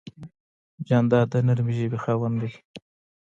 جانداد د نرمې ژبې خاوند دی.